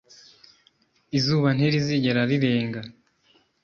izuba ntirizigera rirenga